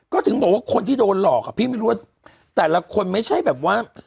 ก็ถึงบอกว่าคนที่โดนหลอกอ่ะพี่ไม่รู้ว่าแต่ละคนไม่ใช่แบบว่า